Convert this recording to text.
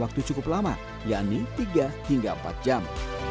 waktu cukup lama yakni tiga hingga empat jam